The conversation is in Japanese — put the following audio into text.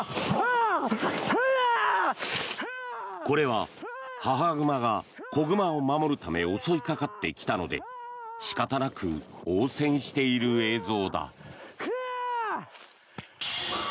これは、母熊が子熊を守るため襲いかかってきたので仕方なく応戦している映像だ。